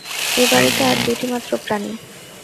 এ বাড়িতে আর দুটি মাত্র প্রাণী।